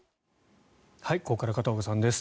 ここから片岡さんです。